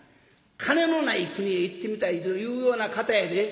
金のない国へ行ってみたいと言うような方やで」。